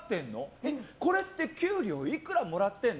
えっ、これって給料いくらもらってるの？